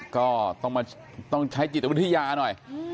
ก็ต้องชำนี่ใช้จิตวิทยาหน่อย